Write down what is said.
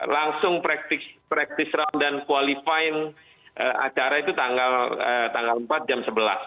langsung practice round dan qualifying acara itu tanggal empat jam sebelas